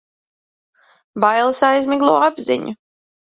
Bailes aizmiglo apziņu.